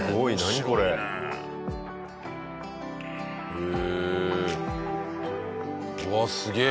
うわっすげえ！